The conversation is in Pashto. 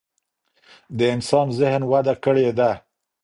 د انسان ذهن وده کړې ده.